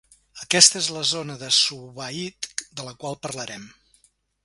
Aquesta és la zona de Zawa'id de la qual parlarem.